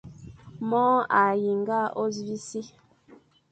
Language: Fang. Môr a yinga ôsṽi e si.